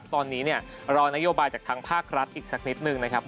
ตอนนี้เนี่ยรอนโยบายจากทางภาครัฐอีกสักนิดนึงนะครับ